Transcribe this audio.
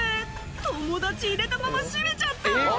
「友達入れたまま閉めちゃった！」